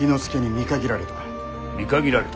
見限られた？